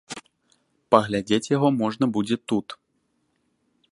Паглядзець яго можна будзе тут.